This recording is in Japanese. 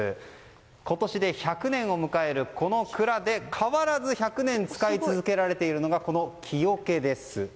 今年で１００年を迎えるこの蔵で変わらず１００年使い続けられているのがこの木おけです。